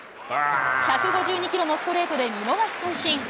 １５２キロのストレートで見逃し三振。